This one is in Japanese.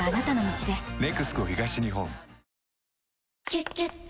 「キュキュット」